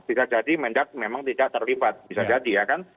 bisa jadi mendak memang tidak terlibat bisa jadi ya kan